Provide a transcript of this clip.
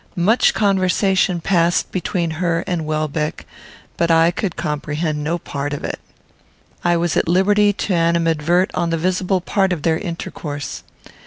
Much conversation passed between her and Welbeck, but I could comprehend no part of it. I was at liberty to animadvert on the visible part of their intercourse.